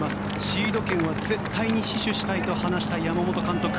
シード権は絶対に死守したいと話した山本監督。